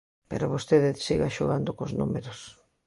¡Pero vostede siga xogando cos números!